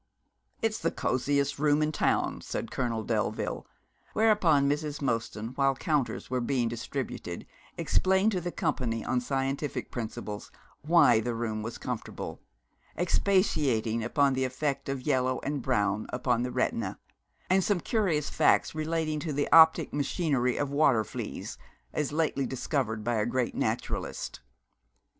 'It's the cosiest room in town,' said Colonel Delville, whereupon Mrs. Mostyn, while counters were being distributed, explained to the company on scientific principles why the room was comfortable, expatiating upon the effect of yellow and brown upon the retina, and some curious facts relating to the optic machinery of water fleas, as lately discovered by a great naturalist.